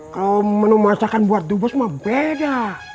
kalau menu masakan buat dubus mah beda